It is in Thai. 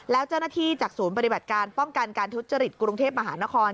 แล้วเจ้าหน้าที่จากศูนย์ปฏิบัติการป้องกันการทุจริตกรุงเทพมหานคร